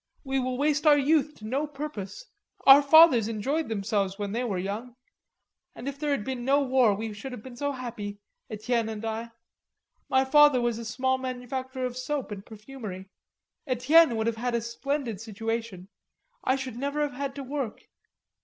We will waste our youth to no purpose. Our fathers enjoyed themselves when they were young.... And if there had been no war we should have been so happy, Etienne and I. My father was a small manufacturer of soap and perfumery. Etienne would have had a splendid situation. I should never have had to work.